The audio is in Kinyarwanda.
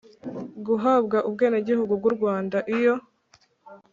Guhabwa ubwenegihugu bw’u Rwanda, iyo